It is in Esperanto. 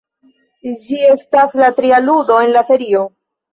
Ĝi estas la tria ludo en la serio.